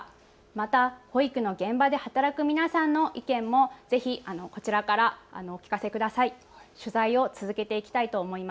また保育の現場で働く皆さんの意見もぜひ、こちらからお聞かせください。